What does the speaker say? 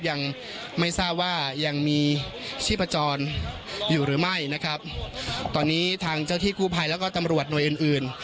ยังไม่ทราบว่ายังมีชีพจรอยู่หรือไม่ตอนนี้ทางเจ้าที่กู้ภัยและก็ตำรวจโนยอื่น